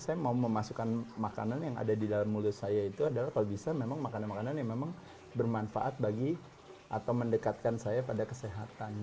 saya mau memasukkan makanan yang ada di dalam mulut saya itu adalah kalau bisa memang makanan makanan yang memang bermanfaat bagi atau mendekatkan saya pada kesehatan